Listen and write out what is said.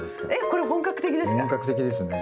これ本格的ですか？